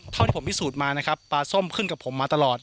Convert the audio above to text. ที่ผมพิสูจน์มานะครับปลาส้มขึ้นกับผมมาตลอด